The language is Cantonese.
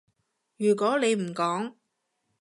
如果你唔講